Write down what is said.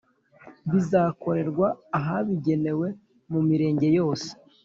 Bizakorerwa ahabigenewe mu Mirenge yose